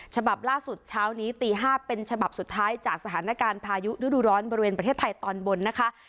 ฉบับล่าสุดเช้านี้ตี๕เป็นฉบับสุดท้ายจากสถานการณ์พายุฤดูร้อนบริเวณประเทศไทยตอนบนนะคะ